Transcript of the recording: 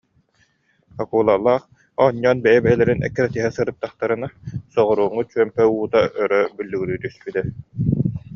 «Аку- лалаах» оонньоон бэйэ-бэйэлэрин эккирэтиһэ сырыт- тахтарына, соҕурууҥҥу чүөмпэ уута өрө бүллүгүрүү түспүтэ